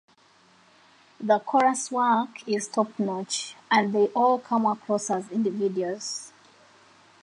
The chorus work is top notch, and they all come across as individuals.